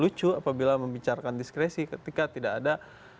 lucu apabila membicarakan diskresi ketika tidak ada